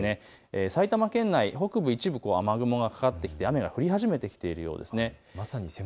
埼玉県内、北部一部、雨雲がかかってきて雨が降り始めているようですね。